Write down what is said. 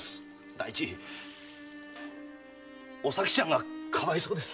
第一おさきちゃんがかわいそうです！